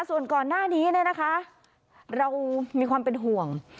ส่วนก่อนหน้านี้เนี่ยนะคะเรามีความเป็นห่วง